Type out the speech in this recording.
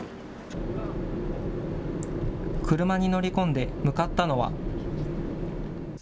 車に乗り込んで向かったのは。